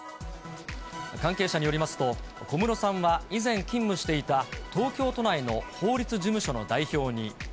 関係者によりますと、小室さんは以前勤務していた東京都内の法律事務所の代表に。